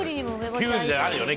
キュウリでも梅干しあるよね。